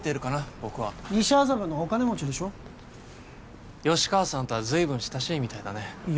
僕は西麻布のお金持ちでしょ吉川さんとはずいぶん親しいみたいだねいや